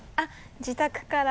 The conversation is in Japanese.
自宅から。